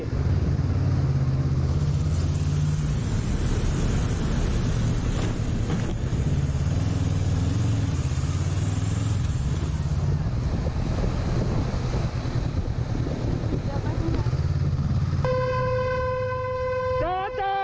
หยุด